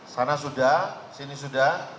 sana sudah sini sudah